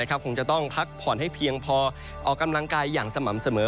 คงจะต้องพักผ่อนให้เพียงพอออกกำลังกายอย่างสม่ำเสมอ